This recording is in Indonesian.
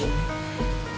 nino sudah berubah